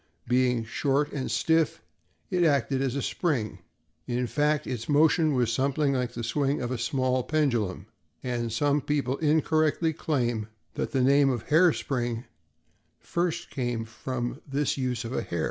Being short and stiff, it acted as a spring; in fact, its motion was something like the swing of a small pendulum, and some people incorrectly claim that the name of hair spring first came from this use of a hair.